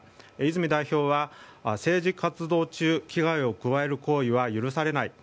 泉代表は政治活動中に危害を加える行為は許されない。